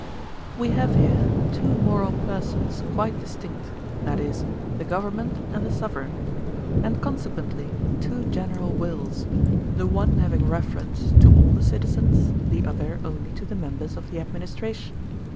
We have here two moral persons quite distinct, viz, the government and the sovereign; and consequently two general wills, the one having reference to all the citizens, the other only to the members of the administration.